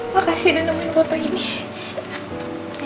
makasih udah nemuin foto ini